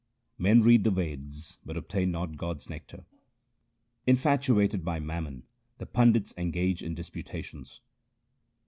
Men read the Veds, but obtain not God's nectar. Infatuated by mammon the pandits engage in disputa tions.